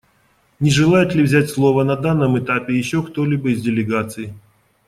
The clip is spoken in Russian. Не желает ли взять слово на данном этапе еще кто-либо из делегаций?